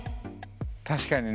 確かにね。